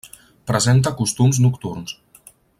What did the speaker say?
Presenta costums nocturns.